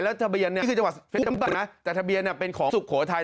และทะเบียนเนี่ยนี่คือจังหวัดเฟซเตอร์แต่ทะเบียนเนี่ยเป็นของสุขโขทัย